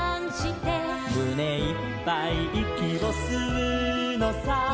「むねいっぱいいきをすうのさ」